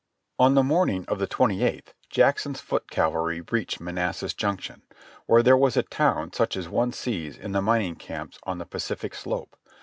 On the morning of the twenty eighth Jackson's foot cavalry reached Manassas Junction, where there was a town such as one sees in the mining camps on the Pacific slope.